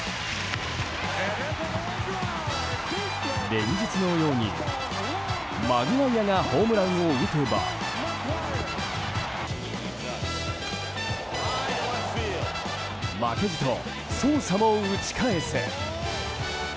連日のようにマグワイアがホームランを打てば負けじとソーサも打ち返す。